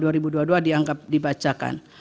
yang telah dianggap dibacakan